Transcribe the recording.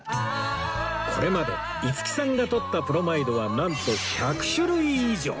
これまで五木さんが撮ったプロマイドはなんと１００種類以上！